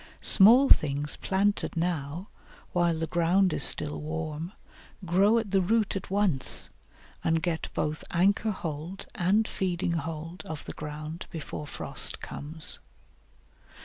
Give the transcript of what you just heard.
Small things planted now, while the ground is still warm, grow at the root at once, and get both anchor hold and feeding hold of the ground before frost comes.